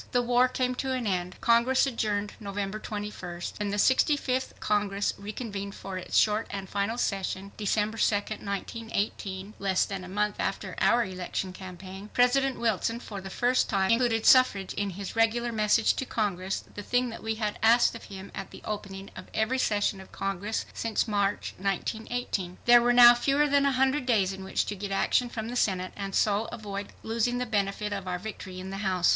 The war came to an end. Congress adjourned November 21st. When the 65th Congress reconvened for its short and final session, December 2nd, 1918 [less than a month after our election campaign], President Wilson, for the first time, included suffrage in his regular message to Congress, the thing that we had asked of him at the opening of every session of Congress since March, 1918. There were now fewer than a hundred days in which to get action from the Senate and so avoid losing the benefit of our victory in the House.